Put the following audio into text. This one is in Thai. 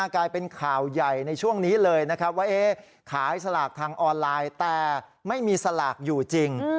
กลายเป็นข่าวใหญ่ในช่วงนี้เลยนะครับว่าขายสลากทางออนไลน์แต่ไม่มีสลากอยู่จริง